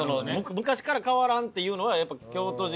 昔から変わらんっていうのはやっぱ京都人。